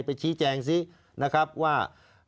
ไปชี้แจงซินะครับว่า